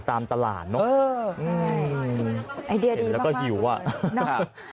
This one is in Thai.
ตามตลาดเนอะเห็นแล้วก็หิวอะไอเดียดีมาก